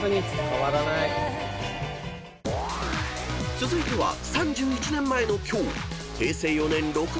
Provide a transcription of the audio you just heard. ［続いては３１年前の今日］